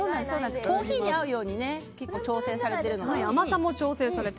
コーヒーに合うように調整されているので。